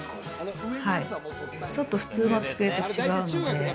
ちょっと普通の机と違うので。